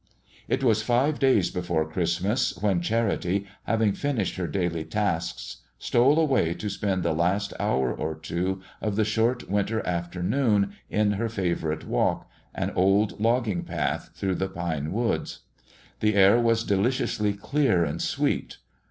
It was five days before Christmas when Charity, having finished her daily tasks, stole away to spend the last hour or two of the short winter afternoon in her favorite walk, an old logging path through the pine woods. The air was deliciously clear and sweet.